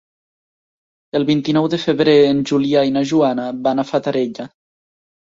El vint-i-nou de febrer en Julià i na Joana van a la Fatarella.